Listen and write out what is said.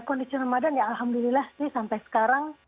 kondisi ramadan ya alhamdulillah sih sampai sekarang